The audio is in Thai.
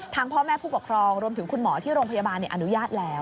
พ่อแม่ผู้ปกครองรวมถึงคุณหมอที่โรงพยาบาลอนุญาตแล้ว